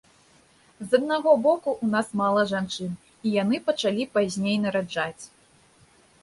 З аднаго боку, у нас мала жанчын, і яны пачалі пазней нараджаць.